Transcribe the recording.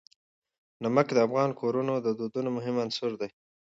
نمک د افغان کورنیو د دودونو مهم عنصر دی.